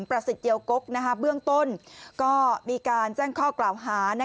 ประสิทธิเจียวกกเบื้องต้นก็มีการแจ้งข้อกล่าวหา